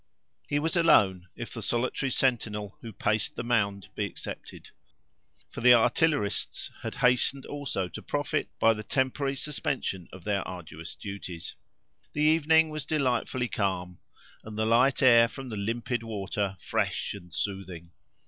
He was alone, if the solitary sentinel who paced the mound be excepted; for the artillerists had hastened also to profit by the temporary suspension of their arduous duties. The evening was delightfully calm, and the light air from the limpid water fresh and soothing.